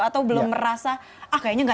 atau belum merasa ah kayaknya nggak